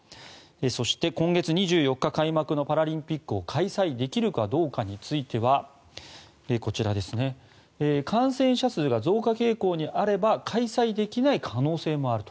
そして、今月２４日開幕のパラリンピックを開催できるかどうかについてはこちら、感染者数が増加傾向にあれば開催できない可能性もあると。